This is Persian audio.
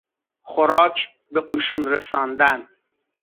خوراک به قشون رساندن